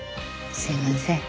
すいません。